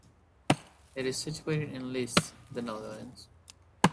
It is situated in Lisse, the Netherlands.